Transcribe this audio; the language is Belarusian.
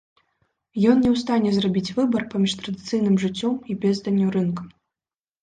Ён не ў стане зрабіць выбар паміж традыцыйным жыццём і безданню рынка.